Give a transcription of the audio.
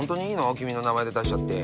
君の名前で出しちゃって。